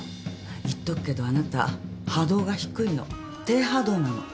言っとくけどあなた波動が低いの低波動なの。